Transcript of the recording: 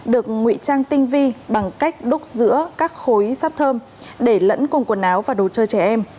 được ngụy trang tinh vi bằng cách đúc giữa các khối sát thơm để lẫn cùng quần áo và đồ chơi trẻ em